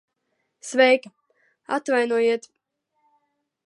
Sveika. Atvainojiet...